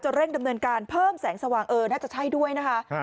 เร่งดำเนินการเพิ่มแสงสว่างเออน่าจะใช่ด้วยนะคะ